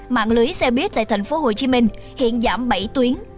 mạng lưới xe buýt tại thành phố hồ chí minh hiện giảm bảy tuyến